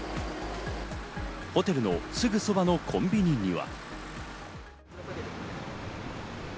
ホテルのすぐそばのコンビニには。